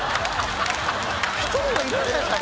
１人はいるんじゃないですか？